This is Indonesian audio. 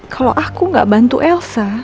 kalo aku gak bantu elsa